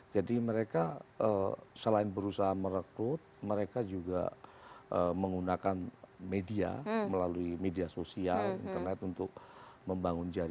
jadi mereka selain berusaha merekrut mereka juga menggunakan media melalui media sosial internet untuk membangun jari